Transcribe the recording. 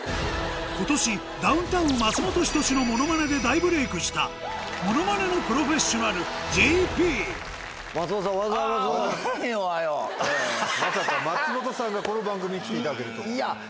今年ダウンタウン・松本人志のものまねで大ブレイクしたものまねのプロフェッショナルＪＰまさか。